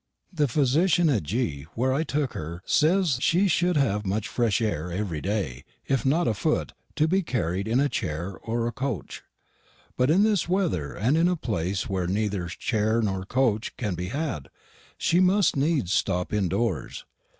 The fysichion at G., wear I tooke her, saies she shou'd hav much fresh aire everry day if not afoot, to be carrid in a chaire or cotche; but in this wether, and in a plaice wear neeither chaire nor cotche can be had, she must needs stop in doors.